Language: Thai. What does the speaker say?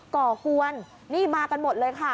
ก่อกวนนี่มากันหมดเลยค่ะ